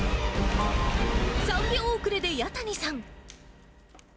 ３秒遅れで弥谷さん。